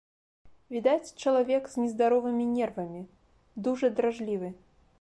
Відаць, чалавек з нездаровымі нервамі, дужа дражлівы.